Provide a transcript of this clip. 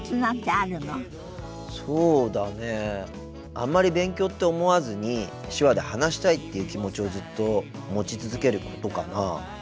あんまり勉強って思わずに手話で話したいっていう気持ちをずっと持ち続けることかな。